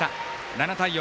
７対４。